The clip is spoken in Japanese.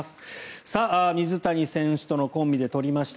水谷選手とのコンビで取りました